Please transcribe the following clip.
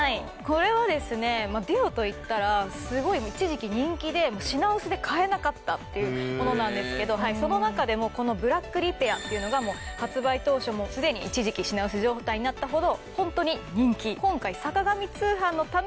これはですねＤＵＯといったらすごい一時期人気で品薄で買えなかったっていうものなんですけどその中でもこのブラックリペアっていうのが発売当初すでに一時期品薄状態になったほどホントに人気。